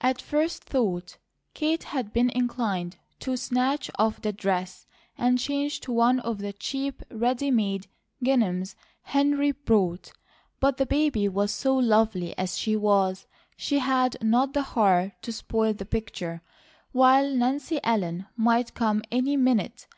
At first thought Kate had been inclined to snatch off the dress and change to one of the cheap, ready made ginghams Henry brought, but the baby was so lovely as she was, she had not the heart to spoil the picture, while Nancy Ellen might come any minute.